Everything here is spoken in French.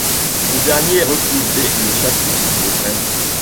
Ce dernier est refusé le chapitre de Brême.